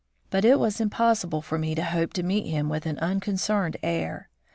But it was impossible for me to hope to meet him with an unconcerned air.